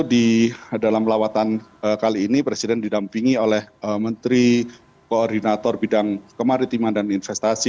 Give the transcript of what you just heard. di dalam lawatan kali ini presiden didampingi oleh menteri koordinator bidang kemaritiman dan investasi